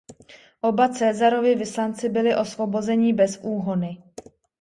Oba Caesarovi vyslanci byli osvobození bez úhony.